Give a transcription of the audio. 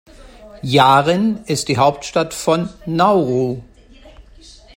Yaren ist die Hauptstadt von Nauru.